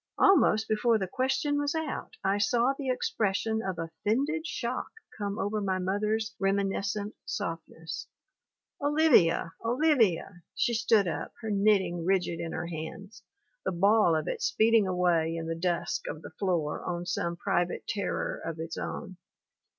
Almost before the question was out I saw the expression of offended shock come over my mother's reminiscent softness. ..." 'Olivia ! Olivia !' She stood up, her knitting rigid in her hands, the ball of it speeding away in the dusk MARY AUSTIN 175 of the floor on some private terror of its own.